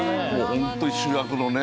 ホントに主役のね。